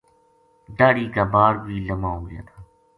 داڑھی کا باڑ بھی لما ہو گیا تھا